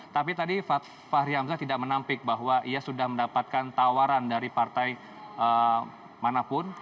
tapi tadi fahri hamzah tidak menampik bahwa ia sudah mendapatkan tawaran dari partai manapun